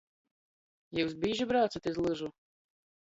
Jius bīži braucat iz lyžu?